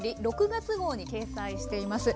６月号に掲載しています。